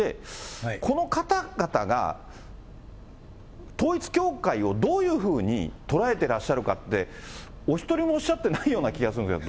この方々が統一教会をどういうふうに捉えてらっしゃるかって、お一人もおっしゃってないような気がするんですが。